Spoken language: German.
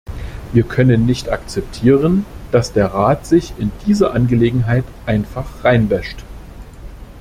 Wir können nicht akzeptieren, dass der Rat sich in dieser Angelegenheit einfach reinwäscht.